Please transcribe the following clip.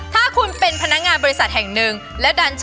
ไม่เคยเจอสถานการณ์นี้ด้วย